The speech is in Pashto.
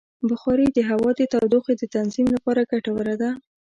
بخاري د هوا د تودوخې د تنظیم لپاره ګټوره ده.